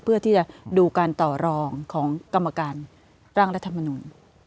เพื่อที่จะดูการต่อรองของกรรมการร่างรัฐมนุน